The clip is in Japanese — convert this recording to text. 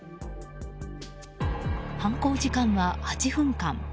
犯行時間は８分間。